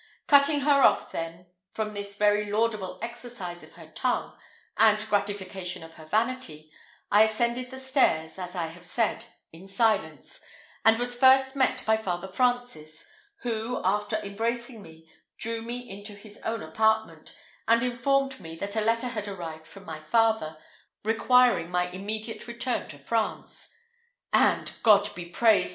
Cutting her off then from this very laudable exercise of her tongue and gratification of her vanity, I ascended the stairs, as I have said, in silence, and was first met by Father Francis, who, after embracing me, drew me into his own apartment, and informed me that a letter had arrived from my father, requiring my immediate return to France; "and, God be praised!